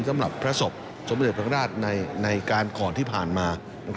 สำหรับพระศพสมเด็จพระราชในการก่อนที่ผ่านมา